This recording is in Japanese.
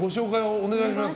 お願いします。